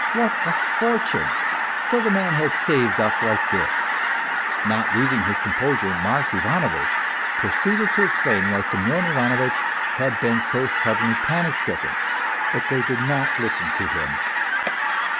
What a fortune ! So the man had saved up like this ! Not losing his composure, Mark Ivanovitch pro ceeded to explain why Semyon Ivanovitch had been so suddenly panic stricken; but they did not listen to liim.